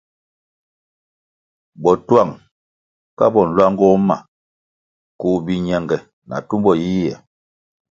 Botuang ka bo nluangoh ma koh biñenge na tumbo yiyia.